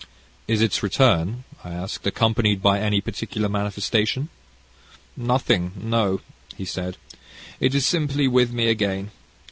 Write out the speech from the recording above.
"Is its return," I asked, "accompanied by any peculiar manifestation?" "Nothing no," he said. "It is simply with me again.